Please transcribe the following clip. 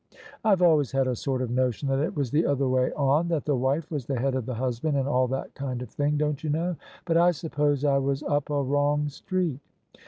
" I've always had a sort of notion that it was the other way on — that the wife was the head of the husband and all that kind of thing, don't you know? But I suppose I was up a wrong street."